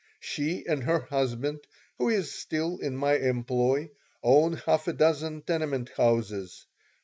She and her husband, who is still in my employ, own half a dozen tenement houses.